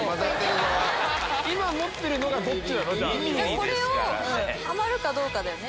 これをハマるかどうかだよね。